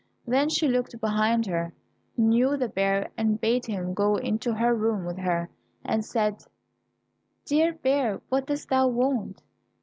Then she looked behind her, knew the bear, and bade him go into her room with her, and said, "Dear Bear, what dost thou want?"